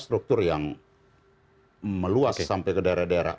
struktur yang meluas sampai ke daerah daerah